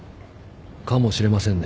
かもしれませんね。